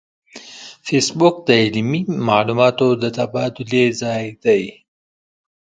فېسبوک د علمي معلوماتو د تبادلې ځای دی